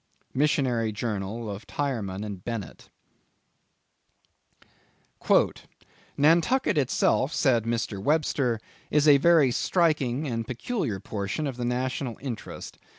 —Missionary Journal of Tyerman and Bennett. "Nantucket itself," said Mr. Webster, "is a very striking and peculiar portion of the National interest.